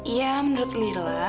ya menurut lila